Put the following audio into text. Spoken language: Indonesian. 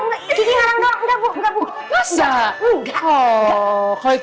ki diharang dorong ga bu ga bu